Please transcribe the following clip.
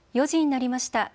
４時になりました。